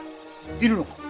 いるのか？